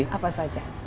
contohnya apa saja